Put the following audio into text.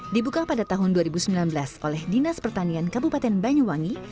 dibuka pada tahun dua ribu sembilan belas oleh dinas pertanian kabupaten banyuwangi